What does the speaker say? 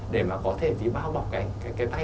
để mà có thể bao bọc cái tay